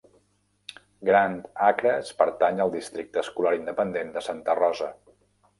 Grand Acres pertany al districte escolar independent de Santa Rosa.